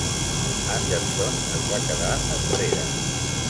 Anderson es va quedar enrere.